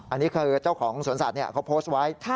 อันนี้คือเจ้าของสวนสัตว์เขาโพสต์ไว้